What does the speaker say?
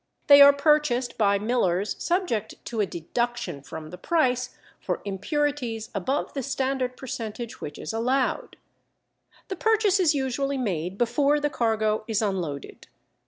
They are purchased by millers subject to a deduction from the price for impurities above the standard percentage which is allowed. The purchase is usually made before the cargo is unloaded.